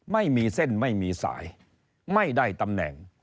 ไม่มีเส้นไม่มีสายไม่ได้ตำแหน่ง